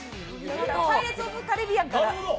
「パイレーツ・オブ・カリビアン」から。